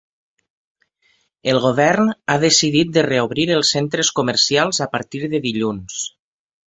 El govern ha decidit de reobrir els centres comercials a partir de dilluns.